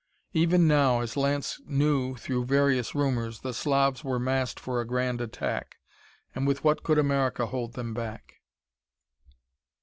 Even now, as Lance knew through various rumors, the Slavs were massed for a grand attack. And with what could America hold them back?